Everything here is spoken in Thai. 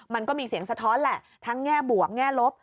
มันก็มีเสียงสะท้อนแหละทั้งแง่บวกแง่ลบ